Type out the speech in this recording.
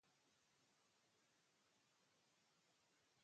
Departamento de Colón.